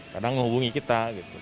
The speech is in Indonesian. kadang menghubungi kita